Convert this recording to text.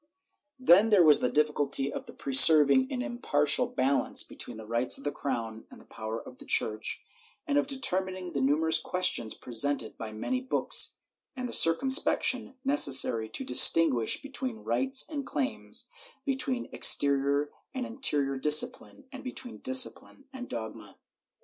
Then there was the difficulty of pre serving an impartial balance between the rights of the crown and the power of the Church, and of determining the numerous ques tions presented by many books — the circumspection necessary to distinguish between rights and claims, between exterior and in terior discipline, and between disciphne and dogma.